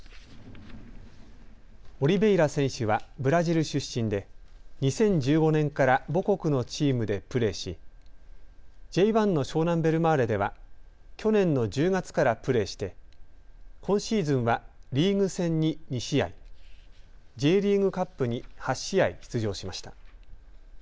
オリベイラ選手はブラジル出身で２０１５年から母国のチームでプレーしＪ１の湘南ベルマーレでは去年の１０月からプレーし今シーズンはリーグ戦に２試合、Ｊリーグカップに８試合出場しました。